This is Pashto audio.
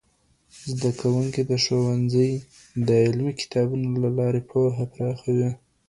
زدهکوونکي د ښوونځي د علمي کتابونو له لارې پوهه پراخوي.